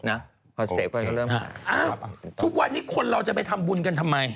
อ๊ะทุกวันที่คนเราจะไปทำบุญกันทำไม